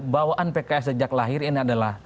bawaan pks sejak lahir ini adalah